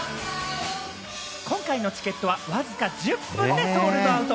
今回のチケットはわずか１０分でソールドアウト。